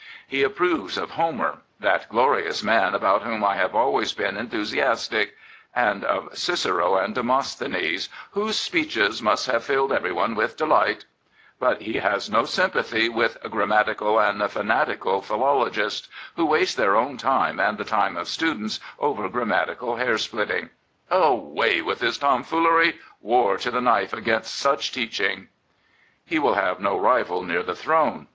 He approves of Homer, that glorious man about whom I have always been enthusiastic," and of Cicero and Demosthenes, " whose speeches must have filled everyone with delight;" but he has no sympathy with " grammatical and fanatical philo logists," who waste their own time and the time of students over grammatical hair splitting. Away with this tomfoolery; war to the knife against such teaching." He will have no rival near the throne.